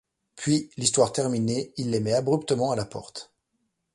Puis, l’histoire terminée, il les met abruptement à la porte.